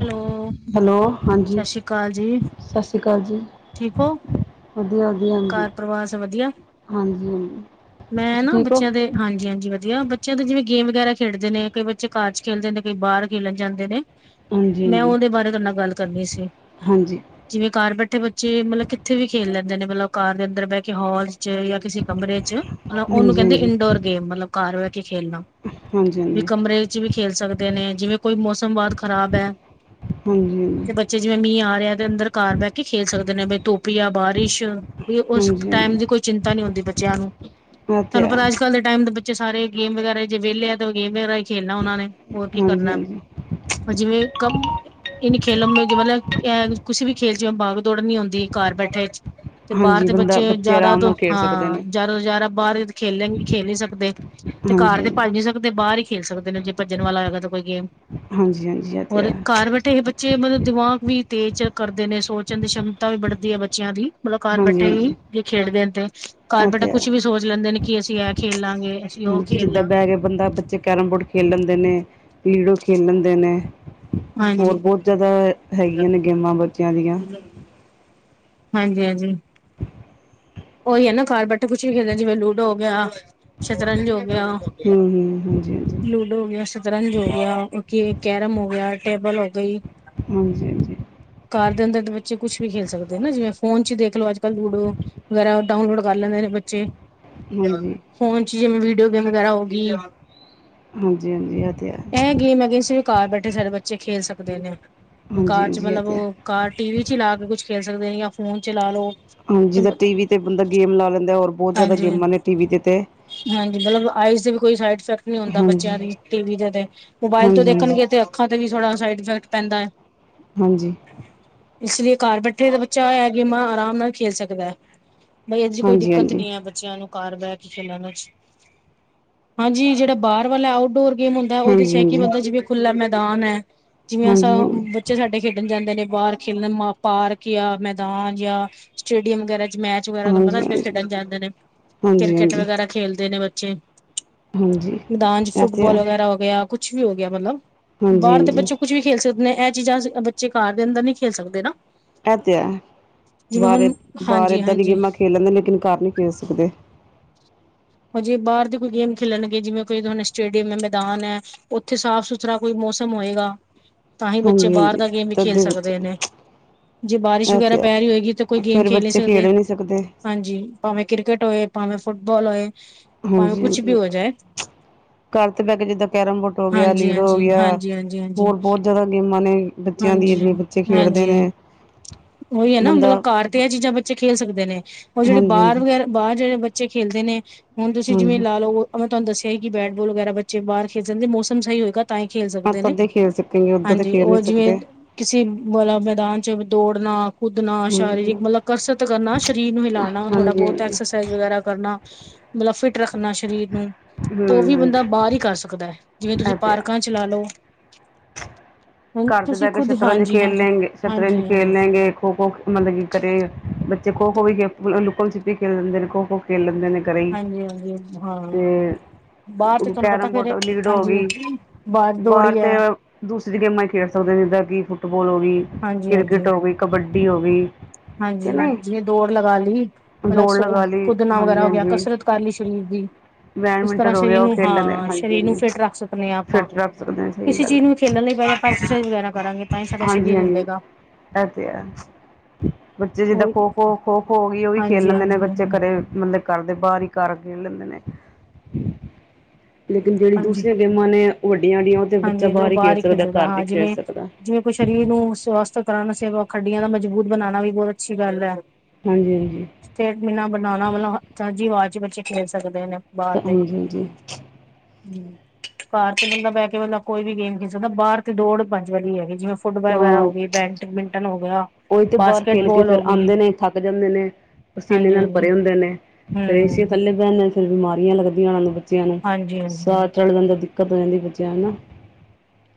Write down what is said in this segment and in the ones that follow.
Hello. Hello ਹਾਂਜੀ, ਸਤਿ ਸ਼੍ਰੀ ਅਕਾਲ ਜੀ। ਸਾਛੀ ਕਾਲ ਜੀ। ਠੀਕ ਓਂ? ਹਾਂਜੀ -ਹਾਂਜੀ ਘਾ ਪਰਵਾਰ ਸਬ ਵਦੀਆ, ਹਾਂਜੀ ਮੈਂ ਤੁਸੀਂ ਨਾ ਠੀਕ ਹੋ ਬੱਚਿਆਂ ਦੇ ਹਾਂਜੀ- ਹਾਂਜੀ ਵਦੀਆ ਬੱਚੇ ਦੇ ਜਿਵੇਂ ਗੇਮ ਵਗੈਰਾ ਖੇਡਦੇ ਨੇ ਕਈ ਬੱਚੇ ਘਰ ਚ ਖੇਲਦੇ ਨੇ ਕਈ ਬਾਰ ਖੇਲਨ ਜਾਂਦੇ ਨੇ। ਹਾਂਜੀ ਮੈਂ ਹਾਂਜੀ ਓਦੇ ਬਾਰੇ ਤਾਡ ਕਰਨਾ ਗੱਲ ਕਰਨੀ ਸੀ। ਹਾਂਜੀ ਜਿਵੇਂ ਘਾਰ ਬੈਠੇ ਬੱਚੇ ਮਲਬ ਕਿੱਥੇ ਵੀ ਖੇਲ ਲੈਂਦੇ ਨੇ ਮਲਬ ਘਾਰ ਦੇ ਅੰਦਰ ਬਹਿ ਕੇ ਹਾਲ ਚ ਜਾਂ ਕਿਸੇ ਕਮਰੇ 'ਚ ਮਤਲਬ ਉਹਨੂੰ ਹਾਂਜੀ ਕਹਿੰਦੇ, ਹਾਂਜੀ 'ਇੰਡੋਰ ਗੇਮ' ਮਤਲਬ ਘਰ ਬਹਿ ਕੇ ਖੇਲਣਾ। ਹਾਂਜੀ ਵੀ ਹਾਂਜੀ ਕਮਰੇ ਵਿੱਚ ਵੀ ਖੇਲ ਸਕਦੇ ਨੇ ਜਿਵੇਂ ਕੋਈ ਮੌਸਮ ਬਹੁਤ ਖ਼ਰਾਬ ਹੈ। ਹੂੰ। ਤੇ ਬੱਚੇ ਜਿਵੇਂ ਮੀਂਹ ਆ ਰਿਹਾ ਤੇ ਅੰਦਰ ਘਰ ਬਹਿ ਕੇ ਖੇਲ ਸਕਦੇ ਨੇ ਬ ਧੁੱਪ ਜਾ ਬਾਰਿਸ਼। ਵੀ ਉਸ ਕ ਹਾਂਜੀ ਹਾਂਜੀ ਟਾਈਮ ਹਾਂਜੀ ਦੀ ਕੋਈ ਚਿੰਤਾ ਨੀ ਹੁੰਂਦੀ ਬੱਚਿਆਂ ਨੂੰ, ਇਹ ਤੇ ਤੁਹਾਨੂੰ ਹੈ ਪਤਾ ਅੱਜ ਕੱਲ ਦੇ- ਟਾਈਮ ਦੇ ਬੱਚੇ ਸਾਰੇ ਗੇਮ ਵਗੈਰਾ ਹੀ ਜੇ ਵਿਹਲੇ ਆ ਤੇ ਉਹ ਗੇਮ ਵਗੈਰਾ ਹੀ ਖੇਲਣਾ ਉਹਨਾ ਨੇ, ਹੋਰ ਕੀ ਹਾਂਜੀ ਕਰਨਾ? ਹਾਂਜੀ ਜਿਵੇਂ ਕਮ- ਇਨ ਖੇਲੌ ਮੇ ਮਤਲਬ ਇਹ ਕਿਸੀ ਵੀ ਖੇਲ 'ਚ ਜਵੇਂ ਬਾਗ ਦੌੜ ਨੀ ਹੁੰਂਦੀ, ਘਰ ਬੈਠੇ। ਤੇ ਬਾਹਰ ਹਾਂਜੀ ਦੇ ਬੰਦਾ ਬੱਚੇ ਜ਼ਿਆਦਾ ਆਰਾਮ ਨਾਲ ਤੋਂ ਖੇਡ ਸਕਦੇ ਹਾਂ, ਨੇ ਜ਼ਿਆਦਾ ਤੋਂ ਜ਼ਿਆਦਾ ਬਾਹਰ ਖੇਲਣ ਖੇਲ ਨਹੀਂ ਸਕਦੇ। ਤੇ ਘਰ ਹਾਂਜੀ ਤੇ ਹਾਂਜੀ ਭੱਜ ਨੀ ਸਕਦੇ, ਬਾਹਰ ਹੀ ਖੇਲ ਸਕਦੇ ਨੇ ਜੇ ਭੱਜਣ ਵਾਲਾ ਹੈਗਾ ਤਾਂ ਕੋਈ ਗੇਮ। ਹਾਂਜੀ ਹਾਂਜੀ ਇਹ ਤੇ ਹੋਰ ਹੈ ਘਰ ਬੈਠੇ [unintelligible] ਬੱਚੇ ਮਤਲਬ ਦਿਮਾਗ ਵੀ ਤੇਜ਼ ਕਰਦੇ ਨੇ ਸੋਚਣ ਦੀ ਸ਼- ਮਤਾ ਵੀ ਵੜਦੀ ਹੈ ਬੱਚਿਆਂ ਦੀ। ਮਤਲਬ ਘਰ ਹਾਂਜੀ ਬੈਠੇ ਹਾਂਜੀ ਹੀ, ਜੇ ਖੇਡਦੇ ਨੇ ਤੇ ਘਰ ਇਹ ਬੈਠੇ ਤੇ ਹੈ ਕੁਛ ਵੀ ਸੋਚ ਲੈਂਦੇ ਨੇ ਕਿ ਅਸੀਂ ਇਹ ਖੇਲਾਂਗੇ। ਹਾਂਜੀ ਜਿੱਦਾਂ ਬਹਿ ਕੇ ਬੰਦਾ ਬੱਚੇ ਕੈਰਮ ਬੋਰਡ ਖੇਡ ਲੈਂਦੇ ਨੇ ਲੀਡੋ ਖੇਲ ਲੈਂਦੇ ਨੇ। ਹੋਰ ਹਾਂਜੀ। ਬਹੁਤ ਜ਼ਿਆਦਾ ਹੈਗੀਆਂ ਨੇ ਗੇਮਾਂ ਬੱਚਿਆਂ ਦੀਆਂ। ਹਾਂ [unintelligible] ਹਾਂਜੀ ਹਾਂਜੀ। ਉਹੀ ਹੈ ਨਾ, ਘਰ ਬੈਠੇ ਕੁਛ ਵੀ ਖੇਡਦੇ ਜਿਵੇਂ ਲੂਡੋ ਹੋ ਗਿਆ ਸ਼ਤਰੰਜ ਹੋ ਗਿਆ। ਹੂੰ ਹ ਹਾਂਜੀ-ਹਾਂਜੀ। ਲੂਡੋ ਹੋ ਗਿਆ ਸ਼ਤਰੰਜ ਹੋ ਗਿਆ, ਕੀ ਕੈਰਮ ਹੋ ਗਿਆ, ਟੇਬਲ ਹੋ ਗਈ। ਹਾਂਜੀ ਹਾਂਜੀ ਘਰ ਦੇ ਅੰਦਰ ਤੇ ਬੱਚੇ ਕੁਛ ਵੀ ਖੇਲ ਸਕਦੇ ਹਨ ਜਿਵੇਂ ਫੋਨ ਚ ਦੇਖ ਲੋ ਅੱਜ ਕੱਲ ਲੂਡੋ ਵਗੈਰਾ ਡਾਊਨਲੋਡ ਕਰ ਲੈਂਦੇ ਨੇ ਬੱਚੇ। ਹਾਂਜੀ ਫੋਨ ਚ ਜਿਵੇਂ ਵੀਡੀਓ ਗੇਮ ਵਗੈਰਾ ਹੋ ਗਈ, ਹਾਂਜੀ ਹਾਂਜੀ ਇਹ ਤੇ ਹੈ ਇਹ ਗੇਮ ਹੈਗੇਸ ਘਰ ਬੈਠੇ ਸਾਰੇ ਬੱਚੇ ਖੇਲ ਸਕਦੇ ਨੇ, ਹਾਂਜੀ ਘਰ 'ਚ ਹਾਂਜੀ ਇਹ ਮਤਲਬ ਤੇ ਹੈ ਉਹ ਘਰ ਟੀ ਵੀ ਚ ਲਾ ਕੇ ਕੁਛ ਖੇਲ ਸਕਦੇ ਨੇ ਜਾਂ ਫੋਨ ਚਲਾ ਲਓ। ਹਾਂਜੀ, ਟੀਵੀ ਤੇ ਬੰਦਾ ਗੇਮ ਲਾ ਲੈਂਦਾ, ਹੋਰ ਬਹੁਤ ਜ਼ਿਆਦਾ ਹਾਂਜੀ। ਗੇਮਾਂ ਨੇ ਟੀ ਵੀ ਤੇ ਤੇ ਹਾਂਜੀ ਮਤਲਬ ਆਈਜ਼ ਦੇ ਵੀ ਕੋਈ ਸਾਈਡ ਇਫੈਕਟ ਨੀ ਹੁੰਂਦਾ ਹਾਂਜੀ ਬੱਚਿਆਂ ਦੀ ਟੀ ਵੀ ਦੇ ਤੇ ਮੋਬਾਇਲ ਤੋਂ ਹਾਂਜੀ ਹਾਂਜੀ ਦੇਖਣਗੇ ਤੇ ਅੱਖਾਂ ਤੇ ਵੀ ਥੋੜਾ ਸਾਈਡ ਇਫੈਕਟ ਪੈਂਦਾ ਹੈ। ਹਾਂਜੀ ਇਸ ਲਈ ਘਰ ਬੈਠੇ ਤਾਂ ਬੱਚਾ ਐ ਗੇਮਾਂ ਆਰਾਮ ਨਾਲ ਖੇਲ ਸਕਦਾ ਹੈ। ਬਈ ਇਹਦੀ ਕੋਈ ਹਾਂਜੀ ਦਿੱਕਤ ਹਾਂਜੀ ਨੀ ਹੈ ਬੱਚਿਆਂ ਨੂੰ ਘਰ ਬਹਿ ਕੇ ਖ ਲਨਾਂ ਚ ਹਾਂਜੀ, ਜਿਹੜਾ ਬਾਹਰ ਵਾਲਾ ਆਊਟਡੋਰ ਗੇਮ ਹੁੰਦਾ ਉਹਦੇ 'ਚ ਹਾਂਜੀ ਹੈ ਕਿ ਹਾਂਜੀ ਬੰਦਾ ਜਿਵੇਂ ਖੁੱਲਾ ਮੈਦਾਨ ਹੈ ਜਿਵੇਂ ਅ ਹਾਂਜੀ [unintelligible] ਬੱਚੇ ਸਾਡੇ ਖੇਡਣ ਜਾਂਦੇ ਨੇ ਬਾਹਰ ਖੇਲਣ ਪਾਰਕ ਯ ਮੈਦਾਨ ਯ ਸਟੇਡੀਅਮ ਵਗੈਰਾ 'ਚ ਮੈਚ। ਵਗੈਰਾਲ ਹਾਂਜੀ ਅ [unintelligible] ਹਾਂਜੀ ਖੇਡਣ ਜਾਂਦੇ ਨੇ, ਕ੍ਰਿਕਟ ਹਾਂਜੀ ਹਾਂਜੀ ਵਗੈਰਾ ਖੇਲਦੇ ਨੇ ਬੱਚੇ। ਹਾਂਜੀ ਮੈਦਾਨ 'ਚ ਇਹ ਤੇ ਹੈ ਫੁੱਟਬਾਲ ਵਗੈਰਾ ਹੋ ਗਿਆ, ਕੁਛ ਵੀ ਹੋ ਗਿਆ ਮਤਲਬ, ਹਾਂਜੀ ਬਾਹਰ ਦੇ ਹਾਂਜੀ ਬੱਚੇ ਕੁੱਛ ਵੀ ਖੇਲ ਸਕਦੇ। ਇਹ ਚੀਜ਼ਾਂ ਬੱਚੇ ਘਰ ਦੇ ਅੰਦਰ ਨਹੀ ਖੇਲ ਸਕਦੇ ਨਾ। ਇਹ ਤੇ ਐ। ਜਿਵੇਂ ਬਾਹਰ ਹੁਣ ਬਾਹਰ ਹਾਂਜੀ ਏਦਾਂ ਦੀਆਂ ਹਾਂਜੀ ਗੇਮਾਂ ਖੇਲ ਲੈਂਦੇ ਲੇਕਿਨ ਘਰ ਨਹੀਂ ਖੇਲ ਸਕਦੇ। ਹਜੇ ਬਾਹਰ ਦੇ ਕੋਈ ਗੇਮ ਖੇਲਣਗੇ ਜਿਵੇਂ ਕੋਈ ਤੁਹਾਨੂੰ ਸਟੇਡੀਅਮ ਹੈ ਮੈਦਾਨ ਹੈ, ਉੱਥੇ ਸਾਫ ਸੁਥਰਾ ਕੋਈ ਮੌਸਮ ਹੋਏਗਾ। ਤਾਂ ਹੀ ਬੱਚੇ ਹਾਂਜੀ ਬਾਹਰ ਹਾਂਜੀ ਦਾ ਗੇਮ ਵੀ ਖੇਲ ਤਦੇ ਬੱਚੇ ਸਕਦੇ ਨੇ। ਬਾਰਿਸ਼ ਇਹ ਵਗੈਰਾ ਤੇ ਪੈ ਰਹੀ ਹੈ ਹੋਏਗੀ ਤਾਂ ਕੋਈ ਗੇਮ ਫਿਰ ਖੇਲ ਨਈ ਬੱਚੇ ਸਕਦੇ। ਖੇਡ ਹੀ ਨਹੀਂ ਸਕਦੇ ਹਾਂਜੀ ਭਾਵੇਂ ਕ੍ਰਿਕਟ ਹੋਏ ਭਾਵੇਂ ਫੁੱਟਬਾਲ ਹੋਏ ਭਾਵੇਂ ਹਾਂਜੀ ਕੁਛ ਵੀ ਹਾਂਜੀ ਹੋਜੇ। ਘਰ ਤੇ ਬਹਿ ਕੇ ਜਿੱਦਾਂ ਕੈਰਮ ਬੋਰਡ ਹੋ ਗਿਆ, ਹਾਂਜੀ ਲੀਡੋ ਹੋ ਹਾਂਜੀ ਗਿਆ, ਹਾਂਜੀ ਹਾਂਜੀ ਹਾਂਜੀ ਹੋਰ ਬਹੁਤ ਜਿਆਦਾ ਗੇਮਾਂ ਨੇ ਬੱਚਿਆਂ ਦੀ ਹਾਂਜੀ ਜਿਹੜੇ ਬੱਚੇ ਖੇਡਦੇ ਹਾਂਜੀ ਨੇ ਉਹੀ ਹੈ ਨਾ, ਬੰਦਾ ਮਤਲਬ ਘਰ ਤੇ ਇਹ ਚੀਜ਼ਾਂ ਬੱਚੇ ਖੇਲ ਸਕਦੇ ਨੇ ਉਹ ਜਿਹੜੀ ਹਾਂਜੀ ਬਾਹਰ ਹਾਂਜੀ ਵਗੈਰਾ ਬਾਹਰ ਜਿਹੜੇ ਬੱਚੇ ਖੇਲਦੇ ਨੇ, ਹੁਣ ਤੁਸੀਂ ਜਿਵੇਂ ਹਾਂਜੀ ਲਾ ਲਓ ਉਹ ਮੈਂ ਤੁਹਾਨੂੰ ਦੱਸਿਆ, ਕਿ ਬੈਟ ਬੋਲ ਵਗੈਰਾ ਬੱਚੇ ਬਾਹਰ ਸੇ ਜਾਂਦੇ ਮੌਸਮ ਸਹੀ ਹੋਗਾ ਤਾਂ ਹੀ ਖੇਲ ਆਪ ਸਕਦੇ ਨੇ, ਤਦੇ ਖੇਲ ਸਕੇਗੇ ਓਦਾਂ ਤਾਂ ਹਾਂਜੀ ਖੇਲ ਨਹੀਂ ਉਹ ਜਿਵੇਂ ਸਕਦੇ ਕਿਸੀ, ਵਾਲਾ ਮੈਦਾਨ ਚ ਦੋੜਨਾ ਕੁਦਣਾ ਹਾਂਜੀ ਸ਼ਰੀਰਿਕ ਮਤਲਬ ਕਸਰਤ ਕਰਨਾ, ਸਰੀਰ ਨੂੰ ਹਿਲਾਉਣਾ ਥੋੜਾ ਹਾਂਜੀ ਬਹੁਤ ਹਾਂਜੀ ਐਕਸਰਸਾਈਜ਼ ਐਸਰਸਾਈਜ਼ ਵਗੈਰਾ ਕਰਨਾ ਮਤਲਬ ਫਿਟ ਰੱਖਣਾ ਸਰੀਰ ਨੂੰ, ਤੋ ਉਹ ਹਮ ਵੀ ਬੰਦਾ ਹਾਂਜੀ ਬਾਹਰ ਹੀ ਕਰ ਸਕਦਾ ਹੈ, ਜਿਵੇਂ ਤੁਸੀਂ ਇਹ ਤੇ ਹੈ ਪਾਰਕਾਂ ਚ ਲਾ ਲਓ ਹੁਣ ਘਾਰ ਤੇ ਤੁਸੀਂ ਬਹਿ ਕੇ ਖੁਦ ਸ਼ਤਰੰਜ ਹਾਂਜੀ ਖੇਲ ਹਾਂਜੀ ਲੈਂਗੇ, ਹਾਂਜੀ ਸ਼ਤਰੰਜ ਹਾਂਜੀ ਖੇਲ ਲੈਂਗੇ ਖੋ -ਖੋ ਮਤਲਬ ਕੀ ਘਰੇ ਬੱਚੇ ਖੋ -ਖੋ ਵੀ ਖੇ ਲੁੱਕਲ ਛਿਪੀ, ਖੇਡ ਦਿੰਦੇ ਨੇ ਖੋ ਖੋ ਖੇਲ ਲੈਂਦੇ ਨੇ ਕਰੀ ਹਾਂਜੀ ਹਾਂਜੀ ਹਾਂ ਤੇ ਬਾਹਰ ਤੇ ਤੁਹਾਨੂੰ ਪਤਾ ਕੈਰਮ ਫੇਰ ਬੋਰਡ, ਲੀਡੋ ਹੋ ਹਾਂਜੀ ਗਈ, ਬਾਹਰ ਦੌੜੀ ਤੇ ਹੈ ਦੂਸਰੀਆਂ ਗੇਮਾਂ ਖੇਡ ਸਕਦੇ ਜਿੱਦਾਂ ਕਿ, ਫੁੱਟਬਾਲ ਹੋ ਗਈ, ਹਾਂਜੀ ਹਾਂਜੀ ਕ੍ਰਿਕਟ ਹੋ ਗਈ, ਕਬੱਡੀ ਹੋ ਗਈ, ਕਿ ਹਾਂਜੀ, ਨਹੀਂ ਜਿਵੇਂ ਦੌੜ ਲਗਾ ਲਈ, ਦੌੜ ਮਤਲਬ ਲਗਾ ਲਈ ਕੁਦਨਾ ਹਾਂਜੀ ਵਗੈਰਾ ਹੋ ਗਿਆ, ਹਾਂਜੀ ਕਸਰਤ ਕਰ ਲਈ ਸਰੀਰ ਦੀ ਇਸ ਤਰ੍ਹਾਂ ਬੈਡਮਿੰਟਨ ਹੋ ਗਿਆ ਸਰੀਰ ਉਹ ਨੂੰ, ਖੇਲ ਲੈਂਦੇ ਹਾਂ ਹਾਂਜੀ ਸਰੀਰ ਨੂੰ ਹਾਂਜੀ ਫਿੱਟ ਰੱਖ ਸਕਦੇ ਹਾਂ ਆਪਾਂ, ਫਿਟ ਰੱਖ ਸਕਦੇ ਹਾਂ, ਸਹੀ ਕਿਸੇ ਗੱਲ ਚੀਜ਼ ਹੈ ਨੂੰ ਖੇਲਣ ਲਈ ਪਹਿਲੇ ਐਕਸਰਸਾਈਜ਼ ਵਗੈਰਾ ਕਰਾਂਗੇ, ਤਾਂ ਹੀ ਸਾਡਾ ਹਾਂਜੀ ਸਰੀਰ ਹਾਂਜੀ ਹਿਲਲੇਗਾ ਇਹ ਤੇ ਹੈ, ਬੱਚੇ ਜਿੱਦਾਂ ਉਹੀ ਖੋ ਖੋ- ਖੋ ਖੋ ਹੋ ਗਈ ਉਹ ਵੀ ਖੇਲ ਹਾਂਜੀ ਲੈਂਦੇ ਨੇ ਹਾਂਜੀ ਹਾਂਜੀ ਬੱਚੇ ਘਰੇ ਮਤਲਬ ਘਰਦੇ ਬਾਹਰ ਹੀ ਘਰ ਖੇਲ ਲੈਂਦੇ ਨੇ, ਲੇਕਿਨ ਜਿਹੜੀ ਹਾਂਜੀ ਹਾਂਜੀ ਦੂਸਰੇ ਗੇਮਾਂ ਨੇ ਉਹ ਵੱਡੀਆਂ- ਵੱਡੀਆਂ, ਉਹ ਤੇ ਬੱਚਾ ਬਾਹਰ ਹੀ ਖੇਡ ਸਕਦਾ ਘਰ ਨਹੀਂ ਹਾਂ ਖੇਡ ਜਿਵੇਂ ਸਕਦਾ ਜਿਵੇਂ ਕੋਈ ਸਰੀਰ ਨੂੰ ਸਵਸਥ ਕਰਨ ਵਾਸਤੇ ਖੱਡੀਆਂ ਦਾ ਮਜਬੂਤ ਬਣਾਉਣਾ ਵੀ ਬਹੁਤ ਅੱਛੀ ਗੱਲ ਹੈ। ਹਾਂਜੀ -ਹਾਂਜੀ ਸਟੇਟ ਵੀ ਨਾ ਬਣਾਉਣਾ ਹੋਵੇ ਨਾ, ਤਾਜ਼ੀ ਹਵਾ ਚ ਬੱਚੇ ਖੇਡ ਸਕਦੇ ਨੇ ਬਾਹਰ ਤੇ, ਹਾਂਜੀ ਹਾਂਜੀ ਘਰ ਤੇ ਬੰਦਾ ਬਹਿ ਬੰਦਾ ਕੋਈ ਵੀ ਗੇਮ ਖੇਡ ਸਕਦਾ, ਬਾਹਰ ਤੇ ਦੌੜ ਭੱਜ ਵਾਲੇੀ ਹੈਗੀ, ਜਿਵੇਂ ਫੁੱਟਬਾਲ ਵਗੈਰਾ ਹਾਂ ਹੋ ਗਈ, ਬੈਡਮਿੰਟਨ ਬੈਡਮਿੰਟਨ ਹੋ ਗਿਆ ਉਹੀ ਤੇ ਬਾਹਰ ਖੇਲ ਕੇ ਬਾਸਕਟਬਾਲ ਫਿਰ ਹੋ ਗਈ ਆਉਂਦੇ ਨੇ, ਥੱਕ ਜਾਂਦੇ ਨੇ ਪਸੀਨੇ ਹਾਂਜੀ ਨਾਲ ਹਾਂਜੀ ਭਰੇ ਹੁੰਦੇ ਨੇ, ਫਿਰ ਏ ਸੀ ਹੂੰ, ਥੱਲੇ ਐਨੀਆਂ ਫਿਰ, ਬਿਮਾਰੀਆਂ ਲੱਗਦੀਆਂ ਉਹਨਾਂ ਨੂੰ ਬੱਚਿਆਂ ਨੂੰ, ਹਾਂਜੀ-ਹਾਂਜੀ, ਸਾਹ ਚੱੜ ਜਾਂਦਾ ਦਿੱਕਤ ਹੋ ਜਾਂਦੀ ਬੱਚਿਆਂ ਹੈਨਾ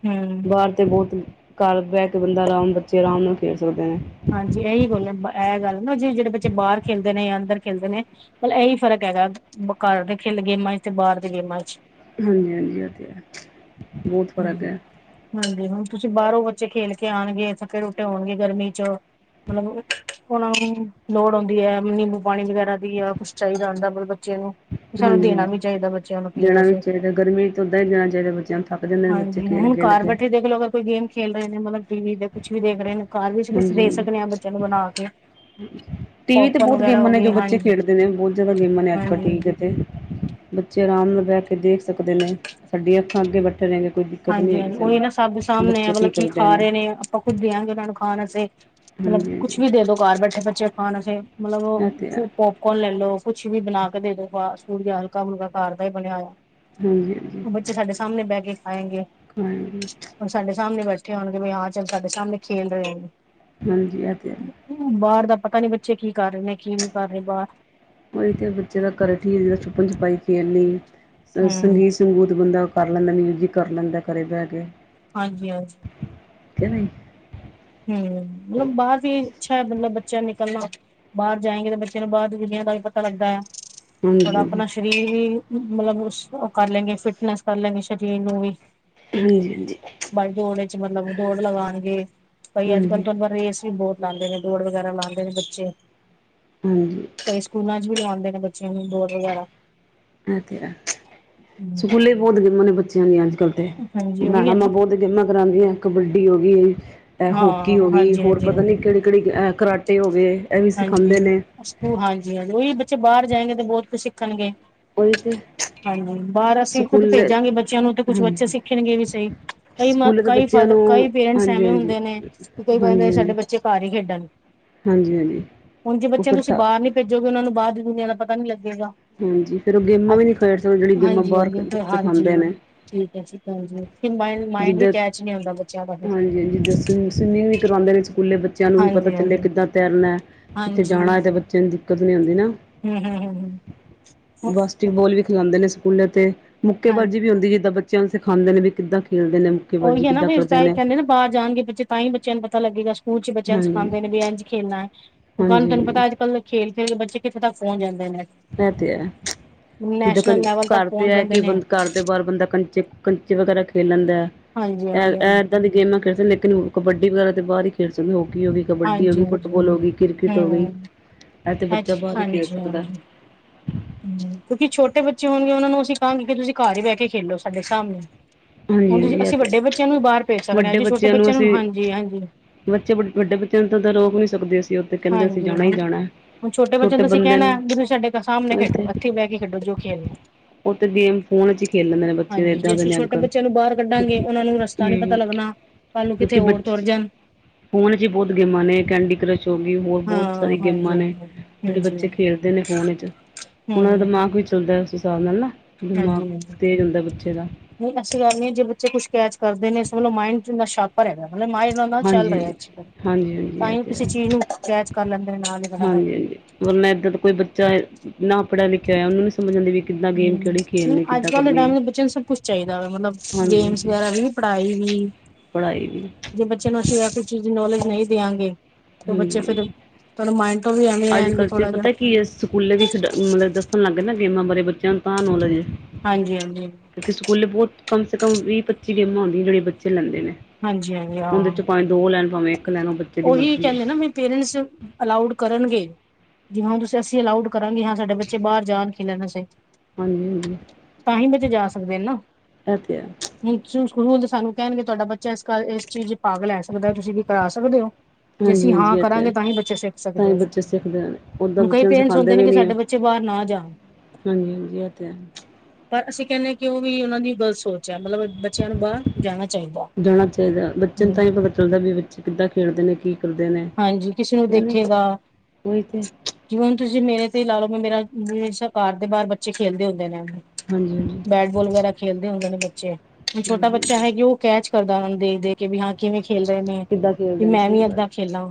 ਹੈ ਘਰ ਤੇ ਬਹੁਤ, ਘਰ ਬਹਿ ਕੇ ਬੰਦਾ ਆਰਾਮ ਬੱਚੇ ਆਰਾਮ ਨਾਲ ਖੇਡ ਸਕਦੇ ਨੇ ਹਾਂਜੀ ਇਹੀ ਗੱਲ ਹੈ, ਇਹ ਗੱਲ ਨਾ ਜੀ ਜਿਹੜੇ ਬੱਚੇ ਬਾਹਰ ਖੇਡਦੇ ਨੇ, ਜਾਂ ਅੰਦਰ ਖੇਲਦੇ ਨੇ ਮਤਲਬ ਇਹੀ ਫਰਕ ਹੈਗਾ, ਘਰ ਦੇ ਖੇਲ ਗੇਮਾਂ ਚ ਤੇ ਬਾਹਰ ਦੇ ਗੇਮਾਂ ਚ ਹਾਂਜੀ ਹਾਂਜੀ ਏ ਤੇ ਹੈ, ਬਹੁਤ ਫ਼ਰਕ ਹੈ ਹਾਂਜੀ ਹੁਣ ਤੁਸੀਂ ਬਾਹਰੋਂ ਬੱਚੇ ਖੇਲ ਕੇ ਆਉਣਗੇ ਥਕੇ ਟੂਟੇ ਹੋਉਣਗੇ ਗਰਮੀ ਚ, ਮਤਲਬ ਉਨ੍ਹਾਂਨੂੰ ਲੋੜ ਆਉਂਦੀ ਹੈ ਨਿੰਬੂ ਪਾਣੀ ਵਗੈਰਾ ਦੀ, ਆ ਕੁਛ ਚਾਹੀਦਾ ਹੁੰਦਾ ਮਤਲਬ ਬੱਚਿਆਂ ਨੂੰ ਹਾਂਜੀ ਹਾਂਜੀ ਪੀਣ ਦੇਣਾ ਵੀ ਵਾਸਤੇ ਚਾਹੀਦਾ, ਗਰਮੀ ਤੋਂ ਓਦਾਂ ਹੀ ਦੇਣਾ ਚਾਹੀਦਾ ਬੱਚਿਆਂ ਨੂੰ ਥੱਕ ਜਾਂਦੇ ਨੇ ਬੱਚੇ ਹਾਂਜੀ, ਖੇਲ ਹੁਣ ਖੇਲ ਘਾਰ ਕੇ ਬੈਠੇ ਦੇਖ ਲੋ ਅਗਰ ਕੋਈ ਗੇਮ ਖੇਲ ਰਹੇ ਨੇ, ਮਤਲਬ ਟੀ ਵੀ ਦੇ ਕੁਛ ਵੀ ਦੇਖ ਰਹੇ ਨੇ ਘਾਰ ਵਿੱਚ ਕੁਛ ਹਾਂਜੀ ਦੇ ਹਾਂਜੀ ਸਕਦੇ ਆਂ,, ਬੱਚਿਆਂ ਨੂੰ ਬਣਾ ਕੇ [inaudible] ਟੀ ਵੀ ਤੇ ਪੋਪਕੋਨ ਬਹੁਤ ਵਗੈਰਾ ਗੇਮਾਂ ਹੋ ਨੇ ਗਏ ਜੋ ਬੱਚੇ ਹਾਂਜੀ ਖੇਡਦੇ ਨੇ, ਬਹੁਤ ਜ਼ਿਆਦਾ ਗੇਮਾਂ ਨੇ ਅੱਜ ਕੱਲ ਹਾਂਜੀ ਟੀ ਵੀ ਤੇ ਬੱਚੇ ਆਰਾਮ ਨਾਲ ਬਹਿ ਕੇ ਦੇਖ ਸਕਦੇ ਨੇ, ਸਾਡੀਆਂ ਅੱਖਾਂ ਅੱਗੇ ਬੈਠੇ ਰਹਣ ਗੇ ਹਾਂਜੀ -ਹਾਂਜੀ ਉਹਹੀ ਨਾ, ਸਭ ਸਾਹਮਣੇ ਮਤਲਬ ਕੀ ਖਾ ਰਹੇ ਨੇ ਆਪਾਂ ਕੁੱਝ ਦੇਆਂਗੇ, ਉਹਨਾਂ ਨੂੰ ਖਾਣ ਆਸੇ, ਮਤਲਬ ਹਾਂਜੀ ਹਾਂਜੀ ਕੁਛ ਵੀ ਦੇ ਦੋ ਘਰ ਬੈਠੇ ਬੱਚੇ ਖਾਣ ਅੇ ਮਤਲਬ ਔ ਇਹ ਤੇ ਹੈ ਫੂੋਪ ਕੌਣ ਲੈ ਲੋ, ਕੁੱਛ ਵੀ ਬਣਾ ਕੇ ਦੇ ਦੋ, ਫਾਸਟ ਫੂਡ ਯਾ ਹਲਕਾ- ਮੁਲਕਾ ਘਾਰ ਦਾ ਹੀ ਬਣਿਆ ਹੋਇਆ। ਹਾਂਜੀ -ਹਾਂਜੀ ਉਹ ਬੱਚੇ ਸਾਡੇ ਸਾਹਮਣੇ ਬਹਿ ਕੇ ਖਾਏਗੇ। ਹਾਂਜੀ ਹੁਣ ਸਾਡੇ ਸਾਹਮਣੇ ਬੈਠੇ ਹੋਣਗੇ, ਬਈ ਹਾਂ ਚੱਲ ਸਾਡੇ ਸਾਹਮਣੇ ਖੇਲ ਰਹੇ ਹੋ ਹਾਂਜੀ ਜੀ, ਐ ਤੇ ਹੈ ਬਾਹਰ ਦਾ ਪਤਾ ਨੀ ਬੱਚੇ ਕੀ ਕਰ ਰਹੇ ਨੇ, ਕੀ ਨਹੀਂ ਕਰ ਰਹੇ ਬਾਹਰ ਉਹੀ ਤੇ ਬੱਚੇ ਦਾ ਘਰੇ ਠੀਕ ਨੇ, ਛੂਪਣ ਛੁਪਾਈ ਖੇਲਨੀ ਐ, ਹੂੰ ਸੰਗੀ ਸੰਗੀਤ ਬੰਦਾ ਕਰ ਲੈਂਦਾ, ਮਊਜ਼ਿਕ ਕਰ ਲੈਂਦਾ, ਘਰੇ ਬਹਿ ਕੇ ਹਾਂਜੀ ਹਾਂਜੀ ਕਿ ਨਹੀਂ ਹੂ ਮਤਲਬ ਬਾਹਰ ਵੀ ਅੱਛਾ ਮਤਲਬ ਬੱਚਿਆਂ ਨਿਕਲਣਾ ਬਾਹਰ ਜਾਏਗੇ ਤੇ ਬੱਚੇ ਨੂੰ ਬਾਹਰ ਦੀ ਦੁਨੀਆ ਦਾਰੀ ਦਾ ਵੀ ਪਤਾ ਲੱਗਦਾ ਹੈ। ਹਾਂਜੀ ਥੋੜਾ ਹਾਂਜੀ ਆਪਣਾ ਸਰੀਰ ਵੀ ਮਤਲਬ ਉਹ ਕਰ ਲੈਂਗੇ ਫਿਟਨੈਸ ਕਰ ਲੈਂਗੇ ਸਰੀਰ ਨੂੰ ਵੀ ਹਾਂਜੀ ਹਾਂਜੀ ਬਾਈ ਦੌੜ ਚ ਮਤਲਬ ਦੌੜ ਲਗਾਉਣਗੇ ਭਈ ਅੱਜ ਕੱਲ ਹਾਂਜੀ ਹਾਂਜੀ ਤੁਹਾਨੂੰ ਰੇਸ ਵੀ ਬਹੁਤ ਲਾਂਦੇ ਨੇ ਦੌੜ ਵਗੈਰਾ ਲਾਉਂਦੇ ਨੇ ਬੱਚੇ ਹਾਂਜੀ ਕਈ ਸਕੂਲਾਂ ਚ ਵੀ ਲਵਾਉਂਦੇ ਨੇ ਬੱਚਿਆਂ ਨੂੰ ਬੋਰਡ ਵਗੈਰਾ ਆ ਗਿਆ ਸਕੂਲੇ ਬਹੁਤ ਗੇਮਾਂ ਨੇ ਬੱਚਿਆਂ ਦੀ ਅੱਜ ਕੱਲ ਤੇ ਹਾਂਜੀ ਉਹੀ ਹੈ ਮੈਡਮਾਂ ਨਾ ਬਹੁਤ ਗੇਮਾਂ ਕਰਾਉਂਦੀਆਂ ਕਬੱਡੀ ਹੋ ਗਈ ਹੈ। ਇਹ ਹੋਕੀ ਹਾਂ ਹੋ ਗਈ ਹਾਂਜੀ ਹੋਰ ਹਾਂਜੀ ਪਤਾ ਨੀ ਹਾਂਜੀ ਕਿਹੜੀ ਕਿਹੜੀ ਕਰਾਟੇ ਹੋ ਗਏ ਇਹ ਵੀ ਹਾਂਜੀ ਸਿਖਾਉਂਦੇ ਨੇ ਹਾਂਜੀ ਉਹੀ ਬੱਚੇ ਬਾਹਰ ਜਾਏਗੇ ਤੇ ਬਹੁਤ ਕੁਝ ਸਿੱਖਣਗੇ ਉਹੀ ਤੇ ਹਾਂਜੀ ਬਾਹਰ ਅਸੀਂ ਖੁੱਦ ਸਕੂਲ ਭੇਜਾਂਗੇ ਬੱਚਿਆਂ ਨੂੰ ਤੇ ਕੁਛ ਹਾਂਜੀ ਬੱਚੇ ਸਿੱਖਣਗੇ ਵੀ ਸਹੀ ਕਈ ਸਕੂਲੇ ਤਾਂ ਕਈ ਬੱਚਿਆਂ ਫਦ ਨੂੰ ਕਈ ਪੇਰੈਂਟਸ ਹਾਂਜੀ ਐਵੇਂ ਹਾਂਜੀ ਹੁੰਦੇ ਨੇ ਕਈ ਹਾਂਜੀ ਵਾਰ ਸਾਡੇ ਹਾਂਜੀ ਬੱਚੇ ਘਰ ਹੀ ਖੇਡਣ ਹਾਂਜੀ ਹਾਂਜੀ ਹੁਣ ਜੇ ਉਹ ਬੱਚਿਆਂ ਫਿਰ ਨੂੰ ਤੁਸੀਂ ਥ ਬਾਹਰ ਨੀ ਭੇਜੋਗੇ ਉਹਨਾਂ ਨੂੰ ਬਾਹਰ ਦੀ ਦੁਨੀਆਂ ਦਾ ਪਤਾ ਨੀ ਲੱਗੇਗਾ ਹਾਂਜੀ ਫਿਰ ਉਹ ਗੇਮਾਂ ਵੀ ਨਹੀਂ ਖੇਡ ਸਕਦੇ ਜਿਹੜੀ ਗੇਮਾਂ ਹਾਂਜੀ ਬਾਹਰ ਹਾਂਜੀ ਫਿਰ ਹਾਂਜੀ। ਸਿਖਾਉਂਦੇ ਨੇ ਠੀਕ ਹੈ ਸਤਿ ਸ਼੍ਰੀ ਅਕਾਲ ਜੀ ਮਾਇੰਡ ਵੀ ਜਿੱਦਾਂ ਕੈਚ ਨੀ ਆਉਂਦਾ ਬੱਚਿਆਂ ਦਾ ਹਾਂਜੀ ਸਵਿਮਿੰਗ ਵੀ ਕਰਵਾਉਂਦੇ ਨੇ ਸਕੂਲੇ ਬੱਚਿਆਂ ਨੂੰ ਵੀ ਪਤਾ ਹਾਂਜੀ ਚੱਲਿਆ ਹਾਂਜੀ ਕਿੱਦਾਂ ਤੈਰਨਾ ਕਿੱਥੇ ਜਾਣਾ ਹੈ ਤੇ ਬੱਚੇ ਨੂੰ ਦਿੱਕਤ ਨਹੀਂ ਹੁੰਦੀ ਨਾ ਹੂ ਹੂ ਹੂ ਹੂ ਬਾਸਕਟਬੋਲ ਵੀ ਖਿਲਾਉਂਦੇ ਨੇ ਸਕੂਲੇ ਤੇ ਹਾਂਜੀ। ਮੁੱਕੇਬਾਜ਼ੀ ਵੀ ਹੁੰਦੀ ਜਿੱਦਾਂ ਬੱਚਿਆਂ ਨੂੰ ਸਿਖਾਉਂਦੇ ਨੇ ਵੀ ਕਿੱਦਾਂ ਖੇਲਦੇ ਨੇ ਉਹੀ ਮੁੱਕੇਬਾਜ਼ੀ ਹੈ ਨਾ ਕਿੱਦਾਂ ਫਿਰ ਕਰਦੇ ਸਾਰੇ ਨੇ। ਕਹਿੰਦੇ ਨਾ ਬਾਹਰ ਜਾਣਗੇ ਬੱਚੇ ਤਾਂ ਹੀ ਬੱਚਿਆਂ ਨੂੰ ਪਤਾ ਲੱਗੇਗਾ ਸਕੂਲ ਚ ਬੱਚਿਆਂ ਹਾਂਜੀ, ਸਿਖਾਉਦੇ ਨੇ ਵੀ ਇੰਜ ਖੇਲਣਾ ਹੈ। ਹੁਣ ਕੱਲ ਤੈਨੂੰ ਪਤਾ ਹਾਂਜੀ-ਹਾਂਜੀ ਹੈ ਅੱਜ ਖੇਲ ਖੇ ਦੇ ਬੱਚੇ ਕਿੱਥੇ ਤੱਕ ਪਹੁੰਚ ਜਾਂਦੇ ਨੇ ਐ ਤੇ ਹੈ ਜਿੱਦਾਂ ਨੈਸ਼ਨਲ ਲੈਵਲ ਤੱਕ ਘਰ ਤੇ ਪਹੁੰਚ ਐ ਕਿ ਜਾਂਦੇ ਨੇ ਬੰਦਾ ਘਰ ਦੇ ਬਾਰ ਬੰਦਾ ਕੰਚੇ-ਕੰਚੇ ਵਗੈਰਾ ਖੇਲ ਲੈਂਦਾ ਹੈ ਹਾਂਜੀ ਹਾਂਜੀ ਏ ਹਾਂਜੀ ਇੱਦਾਂ ਦੀ ਗੇਮਾਂ ਖੇਡ ਸਕਦੇ ਲੇਕਿਨ ਕਬੱਡੀ ਵਗੈਰਾ ਤੇ ਬਾਹਰ ਹੀ ਖੇਡ ਸਕਦੇ ਹੋਕੀ ਹੋ ਗਈ। ਕਬੱਡੀ ਹੋ ਹਾਂਜੀ ਹਾਂਜੀ ਗੀ, ਫੁੱਟਬਾਲ ਹੋ ਹਾਂਜੀ ਗੀ, ਕ੍ਰਿਕਟ ਹੋ ਗੀ, ਹਮ ਐ ਤੇ ਬੱਚਾ ਹਾਂਜੀ ਬਾਰ ਹੀ ਖੇਲ ਸਕਦਾ ਹੈ। ਹੂ ਕਿਉਂਕਿ ਛੋਟੇ ਬੱਚੇ ਹੋਣਗੇ ਔਨਾ ਨੂੰ ਅਸੀਂ ਕਹਾਂਗੇ ਕਿ ਤੁਸੀਂ ਘਰ ਹੀ ਬਹਿ ਕੇ ਖੇਲੋ ਸਾਡੇ ਸਾਹਮਣੇ। ਹੁਣ ਜੇ ਹਾਂਜੀ-ਹਾਂਜੀ ਐ ਅਸੀਂ ਤੇ ਹੈ ਵੱਡੇ ਬੱਚੇ ਆਂ ਨੂੰ ਬਾਹਰ ਪੇਜ ਸਕਦੇ ਹਾਂ ਜੇ ਛੋਟੇ ਬੱਚਿਆਂ ਨੂੰ ਹਾਂਜੀ-ਹਾਂਜੀ। ਬੱਚੇ ਵੱਡੇ ਬੱਚੇ ਆਂ ਨੂੰ ਤਾਂ ਰੋਕ ਨੀ ਸਕਦੇ ਅਸੀਂ ਔ ਤੇ ਕੈੰਦੇ ਅਸੀਂ ਹਾਂਜੀ ਜਾਣਾ ਈ ਹਾਂ ਜਾਣਾ। ਹੁਣ ਛੋਟੇ ਬੱਚਿਆਂ ਦਾ ਅਸੀਂ ਬੰਦੇ ਕੈਣਾ ਨੂੰ ਵੀ ਤੁਸੀਂ ਸਾਡੇ ਸਾਹਮਣੇ ਉਹੀ ਖੇਡੋ ਤੇ ਇੱਥੇ ਬਹਿ ਕੇ ਖੇਡੋ ਜੋ ਖੇਲਣਾ ਉਹ ਤੇੇ ਗੇਮ ਫੋਨ ਚ ਹੀ ਖੇਲ ਲੈਂਦੇ ਨੇ ਬੱਚੇ ਦੇ ਇੱਦਾਂ ਦੇ ਨੇ ਅੱਜ ਕੱਲ ਰੱਖ ਲਾਂਗੇ ਕਿਉਂਕਿ ਉਹਨਾਂ ਨੂੰ ਰਸਤਾ ਨੀ ਪਤਾ ਹੂੰ ਲੱਗਣਾ ਕੱਲ ਨੂੰ ਕਿੱਥੇ ਕਿਉਂਕਿ ਹੋਰ ਤੁਰ ਬੱਚੇ ਜਾਣ ਫੋਨ ਚ ਹੀ ਬਹੁਤ ਗੇਮਾਂ ਨੇ ਕੈਂਡੀ ਕਰਸ਼ [unintelligible] ਹੋਰ ਬਹੁਤ ਹਾਂ ਸਾਰੀ ਹਾਂਜੀ ਗੇਮਾਂ ਨੇ ਜਿਹੜੇ ਹਾਂਜੀ ਬੱਚੇ ਹੂੰ ਖੇਡਦੇ ਨੇ ਫੋਨ ਵਿੱਚ ਉਹਨਾਂ ਦਾ ਹਾਂਜੀ ਦਿਮਾਗ ਵੀ ਚੱਲਦਾ ਉਸ ਹਿਸਾਬ ਨਾਲ ਨਾ ਦਿਮਾਗ ਹਾਂਜੀ ਤੇਜ਼ ਹੁੰਦਾ ਬੱਚੇ ਦਾ ਨਹੀਂ ਐਸੀ ਐਵੇਂ ਨਹੀਂ ਜੇ ਬੱਚੇ ਕੁਛ ਕੈਚ ਕਰਦੇ ਨੇ ਸਾਨੂੰ ਮਾਇੰਡ ਸ਼ੱਕ ਮਾਇੰਡ ਉਹਨਾਂ ਦਾ ਚੱਲ ਹਾਂਜੀ ਰਿਹਾ ਅੱਜ ਕੱਲ ਹਾਂਜੀ ਹਾਂਜੀ ਹਾਂਜੀ ਤਾਂ ਇਹ ਹੀ ਤੇ ਕਿਸੇ ਹੈ ਚੀਜ਼ ਨੂੰ ਕੈਚ ਕਰ ਲੈਂਦੇ ਨਾਲ ਹੀ ਫਟਾਫਟ ਹਾਂਜੀ ਹਾਂਜੀ ਵਰਨਾ ਕੋਈ ਇਨਾ ਕੋਈ ਬੱਚਾ ਨਾ ਪੜ੍ਹਿਆ ਲਿਖਿਆ ਹੋਇਆ ਉਹਨੂੰ ਨੀ ਸਮਝ ਆਉਂਦੀ ਵੀ ਕਿੱਦਾਂ ਗੇਮ ਕਿਹੜੀ ਹੂ ਖੇਲਣੀ ਅੱਜ ਕਿੱਦਾਂ ਕੱਲ ਦੇ ਕਰਨੀ ਟਾਈਮ ਹੈ ਦੇ ਬੱਚਿਆਂ ਨੂੰ ਸਭ ਕੁਛ ਚਾਹੀਦਾ ਵੇ ਮਤਲਬ ਹਾਂਜੀ ਗੇਮਸ ਹਾਂਜੀ ਵਗੈਰਾ ਵੀ ਪੜ੍ਹਾਈ ਵੀ ਪੜ੍ਹਾਈ ਵੀ। ਜੇ ਬੱਚੇ ਨੂੰ ਅਸੀਂ ਸਭ ਕੁਛ ਚੀਜ਼ ਦੀ ਨੌਲੇਜ ਨਹੀਂ ਦਿਆਂਗੇ। ਤੇ ਬੱਚੇ ਹਾਂਜੀ ਫਿਰ ਮਾਇੰਡ ਤੋਂ ਵੀ ਐਵੇ ਅੱਜ ਰਹਿਣ ਗੇ ਕੱਲ ਤੇ ਥੋੜਾ ਜਾ। ਪਤਾ ਕੀ ਹੈ ਸਕੂਲੇ ਵੀ ਖੇਡ ਦੱਸਣ ਲੱਗ ਗਏ ਨਾ ਗੇਮਾਂ ਬਾਰੇ ਬੱਚਿਆਂ ਨੂੰ ਤਾਂ ਨੌਲੇਜ ਏ। ਹਾਂਜੀ-ਹਾਂਜੀ। ਕਿਉਂਕਿ ਸਕੂਲੇ ਬਹੁਤ ਕਮ ਸੇ ਕਮ ਵੀਹ-ਪੱਚੀ ਗੇਮਾ ਹੁੰਂਦੀਆਂ ਜੜੇ ਆਂ ਬੱਚੇ ਲੈਂਦੇ ਨੇ। ਹਾਂਜੀ-ਹਾਂਜੀ ਓਦੇ ਹਾਂ ਚ ਪਾਵੇਂ ਦੋ ਲੈਣ ਪਾਵੇਂ ਇੱਕ ਲੈਣ ਓ ਬੱਚੇ ਦੀ ਮਰਜੀ ਕੈੰਦੇ ਨਾ ਵੀ ਪੇਰੈਂਟਸ ਅਲਾਊਡ ਕਰਨਗੇ। ਜਿਵੇਂ ਹੁਣ ਤੁਸੀਂ-ਅਸੀਂ ਅਲਾਊਡ ਕਰਾਂਗੇ ਹਾਂ ਸਾਡੇ ਬੱਚੇ ਬਾਹਰ ਜਾਣ ਖੇਲਣ ਵਾਸਤੇ। ਹਾਂਜੀ ਤਾਂਹੀ, ਬੱਚੇ ਜਾ ਸਕਦੇ ਨਾ। ਹਾਂਜੀ ਇਹ ਤੇ ਹੈ ਹੁਣ, ਹੁਣ [unintelligible] ਸਕੂਲ ਸਾਨੂੰ ਕਹਿਣ ਗੇ ਤੁਆਡਾ ਬੱਚਾ ਇਸ ਕਰ ਇਸ ਚੀਜ਼ ਚ ਭਾਗ ਲੈ ਸਕਦਾ ਤੁਸੀਂ ਵੀ ਕਰਾ ਸਕਦੇ ਹੋ। ਜੇ ਹਾਂਜੀ ਅਸੀਂ ਹਾਂਜੀ ਹਾਂ ਇਹ ਤੇ ਕਰਾਂਗੇ, ਤਾਂ ਹੀ ਹੈ ਬੱਚੇ ਸਿੱਖ ਤਾਂ ਹੀ ਸਕਦੇ ਨੇ। ਬੱਚੇ ਸਿੱਖਦੇ ਨੇ ਓਦਾਂ ਹੁਣ ਕਈ ਬੱਚਿਆਂ ਨੂੰ ਪੇਰੈਂਟਸ ਸਿਖਾਉਂਦੇ ਹੁੰਦੇ ਨੇ ਕਿ, ਸਾਡੇ ਬੱਚੇ ਬੱਚੇ ਬਾਹਰ ਨਾ ਜਾਣ। ਹਾਂਜੀ-ਹਾਂਜੀ, ਐ ਤੇ ਹੈ। ਪਰ ਅਸੀਂ ਕੈਨੇ ਆਂ ਕਿ ਔ ਵੀ ਔਨਾਂ ਦੀ ਗਲਤ ਸੋਚ ਐ। ਮਤਲਬ, ਬੱਚਿਆਂ ਨੂੰ ਬਾਹਰ ਜਾਣਾ ਚਾਹੀਦਾ। ਜਾਣਾ ਚਾਈਦਾ। ਬੱਚੇ ਨੂੰ ਤਾਂ ਹੂੰ ਹੀ ਪਤਾ ਚੱਲਦਾ ਵੀ ਬੱਚੇ ਕਿੱਦਾਂ ਖੇਡਦੇ ਨੇ ਕੀ ਕਰਦੇ ਨੇ ਹਾਂਜੀ, ਕਿਸੇ ਨੂੰ ਕਿ ਨਹੀਂ ਦੇਖੇਗਾ। ਉਹੀ ਤੇ ਜਿਵੇਂ ਹੁਣ ਤੁਸੀਂ ਮੇਰੇ ਤੇ ਲਾ ਲੋ। ਮੈਂ ਮੇਰਾ ਹਮੇਸ਼ਾਂ ਘਰ ਦੇ ਬਾਹਰ ਬੱਚੇ ਖੇਲਦੇ ਹੁੰਦੇ ਨੇ। ਹਾਂਜੀ-ਹਾਂਜੀ। ਬੈਟ-ਬੋਲ ਵਗੈਰਾ ਖੇਲਦੇ ਹੁੰਦੇ ਨੇ ਬੱਚੇ। ਹੁਣ ਛੋਟਾ ਹਾਂਜੀ ਬੱਚਾ ਹਾਂਜੀ ਹੈ, ਔ ਕੈਚ ਕਰਦਾ ਓਹਨੂੰ ਦੇਖ-ਦੇਖ ਕੇ, ਕਿ ਵੀ ਹਾਂ ਕਿਵੇਂ ਖੇਲ ਰੇ ਨੇ? ਕਿੱਦਾਂ ਵੀ ਖੇਲਦੇ ਕਿ ਨੇ ਮੈਂ ਵੀ ਸਹੀ ਗੱਲ ਏਦਾਂ ਖੇਲਾਂ।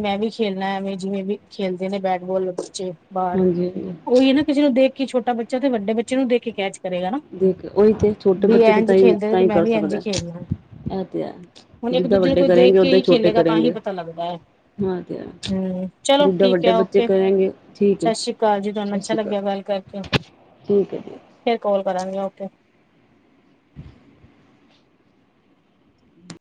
ਮੈਂ ਵੀ ਖੇਲਣਾ ਐਵੇਂ ਜਿਵੇਂ ਵੀ ਖੇਲਦੇ ਨੇ ਬੈਟ-ਬੋਲ ਬੱਚੇ। ਬਾਹਰ ਹਾਂਜੀ ਹਾਂਜੀ ਓਹੀ ਨਾ ਕਿਸੇ ਨੂੰ ਦੇਖ ਕੇ ਛੋਟਾ ਬੱਚਾ ਤੇ ਵੱਡੇ ਬੱਚੇ ਨੂੰ ਦੇਖ ਕੇ ਕੈਚ ਕਰੇਗਾ ਨਾ ਦੇਖ ਉਹੀ ਤੇ ਛੋਟੇ ਵੀ ਬੱਚੇ ਤੇ ਏੰਝ ਤਾਂ ਹੀ ਖੇਲਦੇ ਨੇ, ਤਾਂ ਤੇ ਹੀ ਮੈਂ ਕਰ ਵੀ ਏੰਝ ਸਕਦਾ ਖੇਲਣਾ। ਇਹ ਤੇ ਹੈ ਹੁਣ ਜਿੱਦਾਂ ਇੱਕ-ਦੂਜੇ ਨੂੰ ਵੱਡੇ ਕੋਈ ਦੇਖ ਕਰੇਗੇ ਕੇ ਓਦਾਂ ਹੀ ਛੋਟੇ ਖੇਲੇਗਾ, ਤਾਂ ਹੀ ਕਰੇਗੇ ਪਤਾ ਲੱਗਦਾ ਐ। ਹਾਂ ਤੇ ਹੁੰ, ਚਲੋ ਜਿੱਦਾਂ ਠੀਕ ਵੱਡੇ ਹੈ। ਬੱਚੇ ਔਕੇ ਕਰੇਗੇ ਠੀਕ ਹੈ ਸਤਿ ਸ਼੍ਰੀ ਕਾਲ ਜੀ ਤੁਆਨੂੰ ਸਤਿ ਅੱਛਾ ਸ਼੍ਰੀ ਅਕਾਲ ਲੱਗਿਆ ਗੱਲ ਕਰਕੇ। [inaudible] ਠੀਕ ਐ ਜੀ। ਫੇਰ ਕੋਲ ਕਰਾਂਗੇ ਓਕੇ।